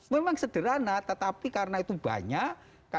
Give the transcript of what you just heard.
memang sederhana tetapi karena itu banyak